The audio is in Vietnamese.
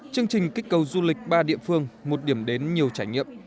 chương trình kích cầu du lịch ba địa phương một điểm đến nhiều trải nghiệm